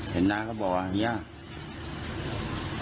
เห็นนะเค้าบอกว่าเห็นไง